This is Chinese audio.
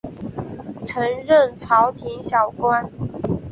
曾任朝廷小官。